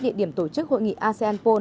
địa điểm tổ chức hội nghị asean napron